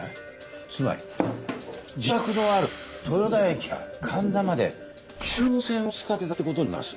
つまり自宅のある豊田駅から神田まで中央線を使ってたってことになります。